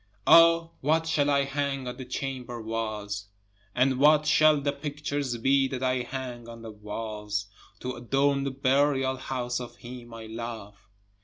11 O what shall I hang on the chamber walls? And what shall the pictures be that I hang on the walls, To adorn the burial house of him I love?